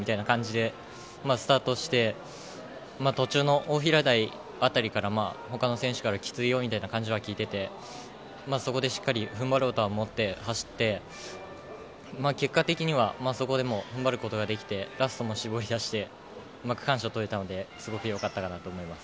緊張とワクワクが半分半分みたいな感じでスタートして、途中の大平台あたりから他の選手から、きついよみたいな感じは聞いていて、そこでしっかり踏ん張ろうとは思って走って、結果的にはそこでも踏ん張ることができて、ラストも絞り出して、区間賞を取れたのでよかったかなと思います。